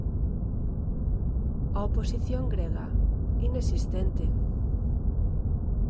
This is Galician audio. A oposición grega, inexistente.